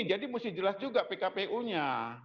jadi mesti jelas juga pkpu nya